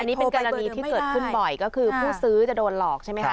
อันนี้เป็นกรณีที่เกิดขึ้นบ่อยก็คือผู้ซื้อจะโดนหลอกใช่ไหมคะ